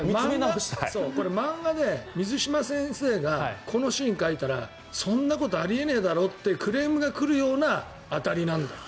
これ、漫画で水島先生がこのシーン書いたらそんなことあり得ねえだろってクレームが来るような当たりなんだよ。